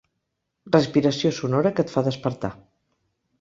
Respiració sonora que et fa despertar.